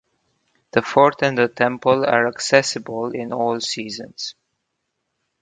The fort and the temple are accessible in all seasons.